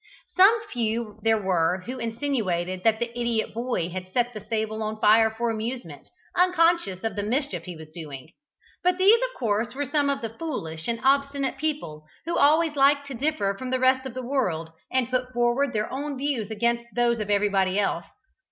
Some few there were who insinuated that the idiot boy had set the stables on fire for amusement, unconscious of the mischief he was doing; but these of course were some of those foolish and obstinate people who always like to differ from the rest of the world, and put forward their own views against those of everybody else.